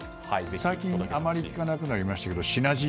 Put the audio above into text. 最近あまり聞かなくなりましたけどシナジー